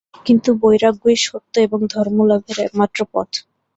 কিন্তু বৈরাগ্যই সত্য এবং ধর্মলাভের একমাত্র পথ।